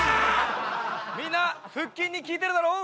みんな腹筋に効いてるだろう？